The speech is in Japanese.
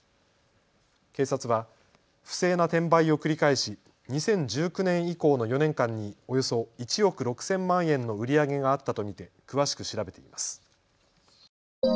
警察は不正な転売を繰り返し２０１９年以降の４年間におよそ１億６０００万円の売り上げがあったと見て詳しく調べています。